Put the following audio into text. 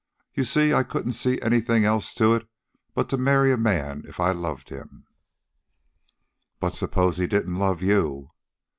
You see, I couldn't see anything else to it but to marry a man if I loved him." "But suppose he didn't love you?"